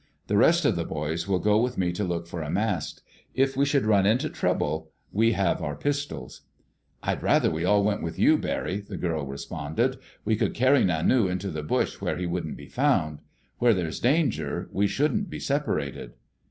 The rest of the boys will go with me to look for a mast. If we should run into trouble we have our pistols." "I'd rather we all went with you, Barry," the girl responded. "We could carry Nanu into the bush where he wouldn't be found. Where there's danger, we shouldn't be separated."